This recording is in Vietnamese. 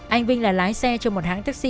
anh vinh là lái xe cho một hãng taxi